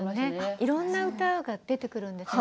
いろいろな歌が出てくるんですよ